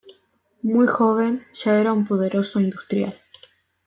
Muy joven ya era un poderoso industrial.